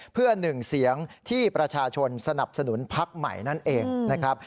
เพื่อหนึ่งเสียงที่ประชาชนสนับสนุนพักใหม่นั่นเองนะครับ